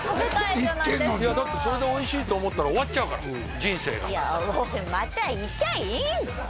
行ってるのにだってそれでおいしいと思ったら終わっちゃうから人生がまた行きゃいいんですよ